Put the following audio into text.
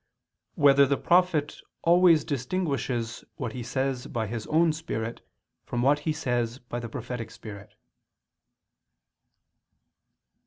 5] Whether the Prophet Always Distinguishes What He Says by His Own Spirit from What He Says by the Prophetic Spirit?